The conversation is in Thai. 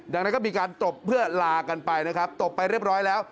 ดังนั้นก็มีการตบเพื่อลากันไปนะครับตบไปเรียบร้อยแล้ว